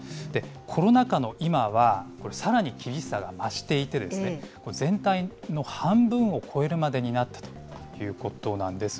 コロナ禍の今は、これ、さらに厳しさが増していて、全体の半分を超えるまでになったということなんです。